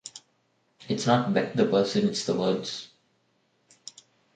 It's not Beck the person, it's the words.